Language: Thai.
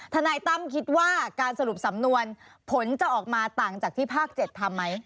ทนายตั้มคิดว่าการสรุปสำนวนผลจะออกมาต่างจากที่ภาค๗ทำไหม